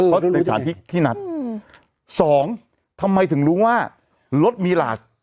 เออรู้รู้ที่นัดอืมสองทำไมถึงรู้ว่ารถมีหลาก